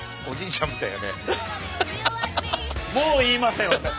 もう言いません私。